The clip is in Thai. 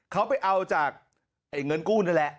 เขาไปเอาจากเงินกู้นั่นแหละ